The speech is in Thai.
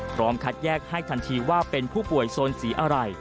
พร้อมคัดแยกให้ทันทีว่าเป็นผู้ป่วยโซนสีอะไร